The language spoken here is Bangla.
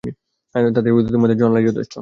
তাদের বিরুদ্ধে তোমার জন্যে আল্লাহই যথেষ্ট।